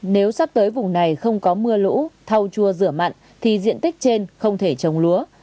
nếu sắp tới vùng này không có mưa lũ thaua rửa mặn thì diện tích trên không thể trồng lúa